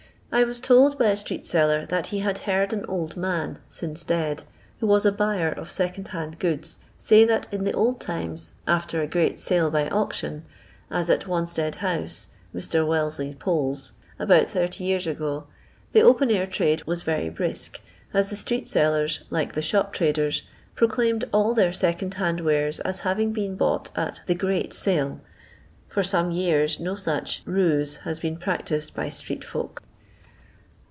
I was told by a street seller that he had heard an old man (since dead), who was a buyer of second hand goods, say that in the old times, after a great sale by auction — as at Wanstead house (Mr. Wcllesley Pole's), about 80 years ago— the open air trade was very brisk, as the street sellers, like the shop traders, prochiimed all their second hand wares as having been bought at the great sale." For some years no such " rute " has been practised by street folk.